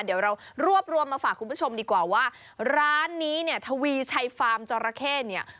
เดี๋ยวเรารวบรวมมาฝากคุณผู้ชมดีกว่าว่าร้านนี้เนี่ยทวีชัยฟาร์มจอราเข้เนี่ย